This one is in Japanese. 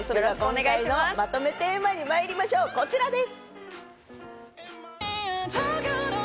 まとめてまいりましょう、こちらです！